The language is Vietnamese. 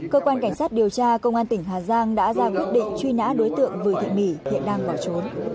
cơ quan cảnh sát điều tra công an tỉnh hà giang đã ra quyết định truy nã đối tượng vừa thị mỹ hiện đang bỏ trốn